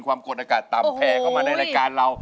ความกดอากาศต่ำแผ่เข้ามาในรายการเรา